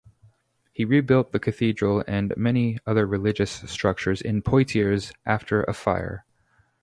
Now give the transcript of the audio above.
He rebuilt the cathedral and many other religious structures in Poitiers after a fire.